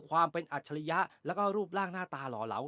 ความเป็นอัจฉริยะแล้วก็รูปร่างหน้าตาหล่อเหลา